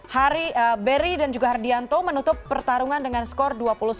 hari beri dan juga hardianto menutup pertarungan dengan skor dua puluh satu enam belas dua puluh satu enam belas